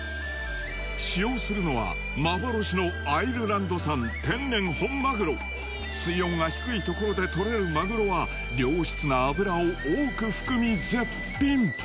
使用するのは幻の水温が低いところで獲れるマグロは良質な脂を多く含み絶品！